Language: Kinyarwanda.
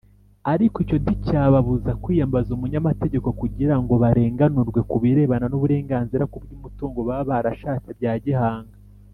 ariko icyo nticyababuza kwiyambaza umunyamategeko kugira ngo barenganurwe ku birebana n’uburenganzira ku by’umutungo, baba barashatse bya gihanga,